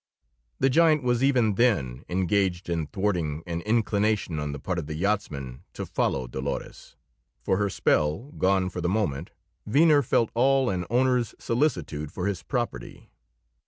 The giant was even then engaged in thwarting an inclination on the part of the yachtsmen to follow Dolores, for, her spell gone for the moment, Venner felt all an owner's solicitude for his property.